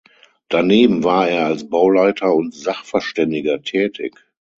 Daneben war er als Bauleiter und Sachverständiger tätig.